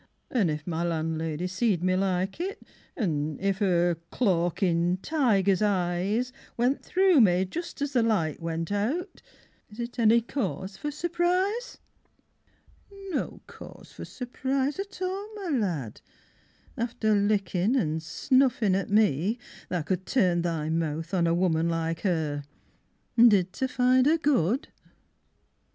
An' if my landlady seed me like it, An' if 'er clawkin', tiger's eyes Went through me just as the light went out Is it any cause for surprise? No cause for surprise at all, my lad, After lickin' and snuffin' at me, tha could Turn thy mouth on a woman like her Did ter find her good?